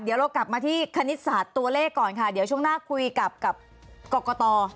เดี๋ยวเรากลับมาที่คณิตศาสตร์ตัวเลขก่อนค่ะเดี๋ยวช่วงหน้าคุยกับกรกต